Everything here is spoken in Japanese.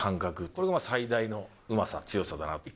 これが最大のうまさ、強さだなって。